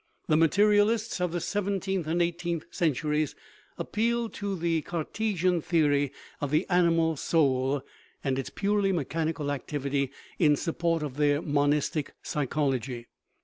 The materialists of the seventeenth and eighteenth centuries appealed to the Cartesian theory of the animal soul and its purely mechanical activity in support of their mon istic psychology.